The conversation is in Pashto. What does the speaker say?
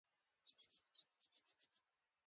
سهار د رڼا جشن دی.